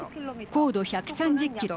高度１３０キロ。